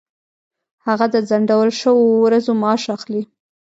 هغه د ځنډول شوو ورځو معاش اخلي.